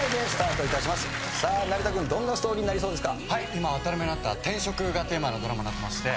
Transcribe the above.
今当たり前になった転職がテーマのドラマになってまして。